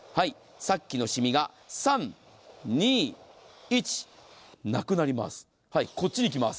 さっきのシミが３、２、１なくなります。